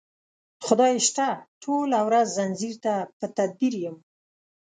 خدای شته ټوله ورځ ځنځیر ته په تدبیر یم